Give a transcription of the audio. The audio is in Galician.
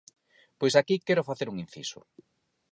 Pois aquí quero facer un inciso.